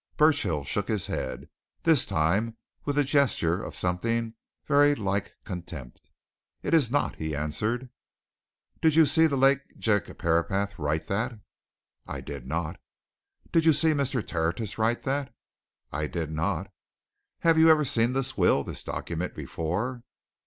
Burchill shook his head this time with a gesture of something very like contempt. "It is not!" he answered. "Did you see the late Jacob Herapath write that?" "I did not!" "Did you see Mr. Tertius write that?" "I did not!" "Have you ever seen this will, this document, before?"